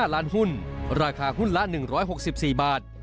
๕ล้านหุ้นราคาหุ้นละ๑๖๔บาท